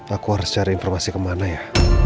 aku harus cari informasi kemana ya